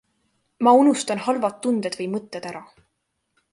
Ma unustan halvad tunded või mõtted ära.